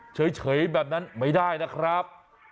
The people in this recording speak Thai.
เฉยแบบนั้นไม่ได้นะครับ